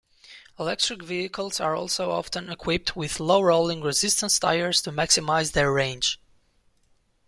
Electric vehicles are also often equipped with low-rolling resistance tires to maximize their range.